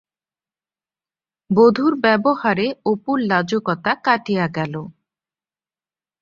বধূর ব্যবহারে অপুর লাজুকতা কাটিয়া গেল।